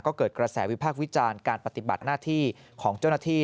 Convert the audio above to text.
ก็เกิดกระแสวิพากษ์วิจารณ์การปฏิบัติหน้าที่ของเจ้าหน้าที่